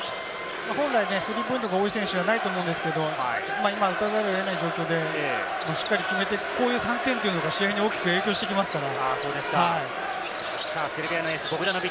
本来、スリーポイントが多い選手ではないと思いますけれども、今ね、こういう状況でしっかり決めて、こういう３点が試合に大きく影響してきますから。